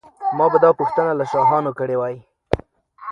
ما به دا پوښتنه له شاهانو کړې وي.